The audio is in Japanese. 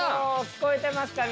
聞こえてますか？